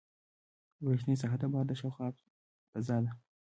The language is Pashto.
برېښنایي ساحه د بار د شاوخوا فضا ده.